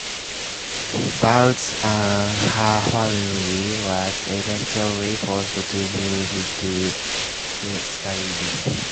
Balts and her family was eventually forced to move to Syktyvkar.